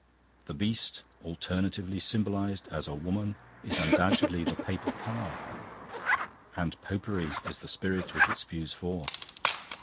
The Beast, alternatively symbolised as a Woman, is undoubtedly the Papal power, and Popery is the spirit which it spews forth.